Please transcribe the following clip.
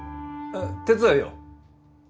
手伝うよ。